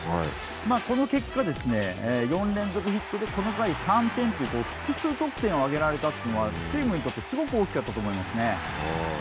この結果、４連続ヒットでこの回３点と複数得点を挙げられたというのはチームにとってすごく大きかったと思います。